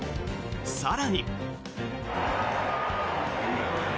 更に。